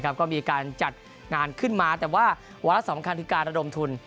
ก็มีการจัดงานขึ้นมาแต่ว่าวาระสำคัญคือการระดมทุน